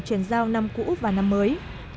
chuyển giao năm cũ và năm mới